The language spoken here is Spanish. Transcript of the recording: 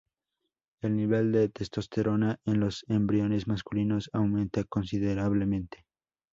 El nivel de testosterona en los embriones masculinos aumenta considerablemente.